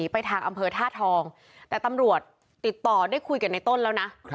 ไปทางอำเภอท่าทองแต่ตำรวจติดต่อได้คุยกับในต้นแล้วนะ